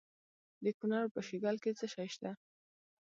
د کونړ په شیګل کې څه شی شته؟